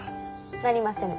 なりませぬ。